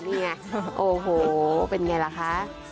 นี่ไงโอ้โหเป็นไงล่ะคะ